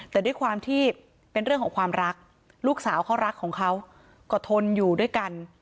แต่ด้วยความที่เป็นเรื่องของความรักลูกสาวเขารักของเขาก็ทนอยู่ด้วยกัน